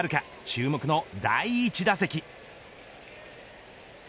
注目の第１打席。